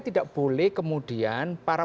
tidak boleh kemudian para